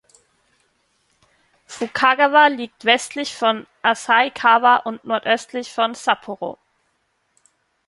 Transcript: Fukagawa liegt westlich von Asahikawa und nordöstlich von Sapporo.